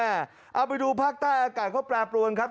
เอาไปดูภาคใต้อากาศก็แปรปรวนครับ